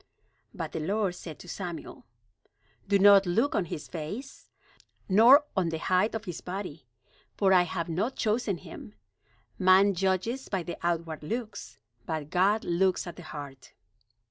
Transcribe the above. But the Lord said to Samuel: "Do not look on his face, nor on the height of his body, for I have not chosen him. Man judges by the outward looks, but God looks at the heart."